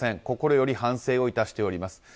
心より反省を致しております。